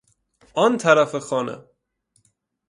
آن طرف خانه